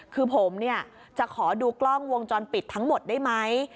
คือผมเนี่ยจะขอดูกล้องวงจรปิดทั้งหมดได้ไหม